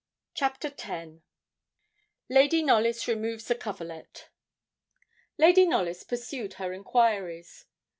CHAPTER X LADY KNOLLYS REMOVES A COVERLET Lady Knollys pursued her enquiries.